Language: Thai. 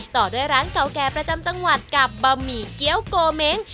ต่อด้วยร้านเก่าแก่ประจำจังหวัดกับบะหมี่เกี้ยวโกเม้ง